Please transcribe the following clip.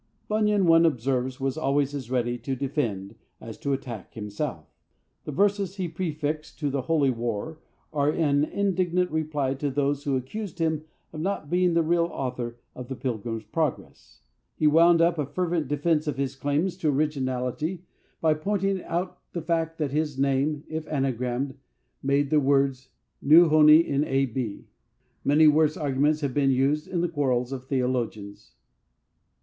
Bunyan, one observes, was always as ready to defend as to attack himself. The verses he prefixed to The Holy War are an indignant reply to those who accused him of not being the real author of The Pilgrim's Progress. He wound up a fervent defence of his claims to originality by pointing out the fact that his name, if "anagrammed," made the words: "NU HONY IN A B." Many worse arguments have been used in the quarrels of theologians.